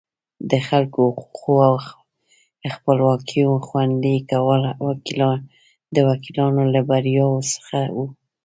د خلکو حقوقو او خپلواکیو خوندي کول د وکیلانو له بریاوو څخه وو.